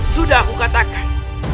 sudah aku katakan